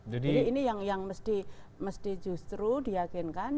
jadi ini yang mesti justru diakinkan